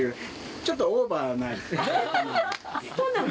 ちょっとオーバーなの。